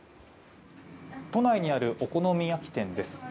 都内にあるお好み焼き店です。